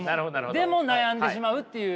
でも悩んでしまうっていう。